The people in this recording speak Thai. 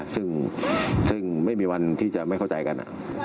ซึ่งไม่มีวันที่จะไม่เข้าใจกัน